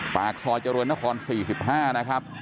ปากซอยจรวยนครสี่สิบห้านะครับ